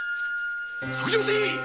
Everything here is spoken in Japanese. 白状せい！